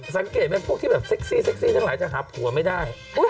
แสงเกตแบบพวกที่เซ็กซี่ทั้งหลายจะหาผัวไม่ได้